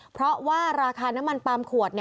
เพราะว่าราคาน้ำมันปาล์มขวด